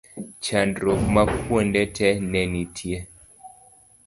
chandruok ma kuonde te ne nitie